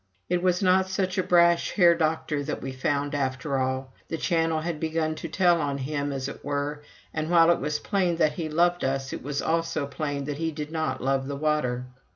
It was not such a brash Herr Doktor that we found, after all: the Channel had begun to tell on him, as it were, and while it was plain that he loved us, it was also plain that he did not love the water.